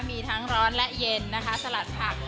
มีทั้งร้อนและเย็นนะคะสลัดผัก